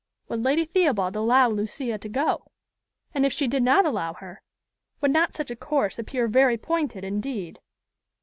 Would Lady Theobald allow Lucia to go? and, if she did not allow her, would not such a course appear very pointed indeed?